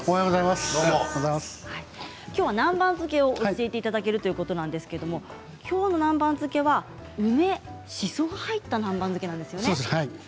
きょうは南蛮漬けを教えていただけるということなんですがきょうの南蛮漬けは梅じそが入った南蛮づけなんですよね。